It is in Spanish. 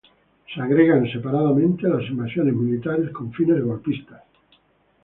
Se agregan separadamente las invasiones militares con fines golpistas.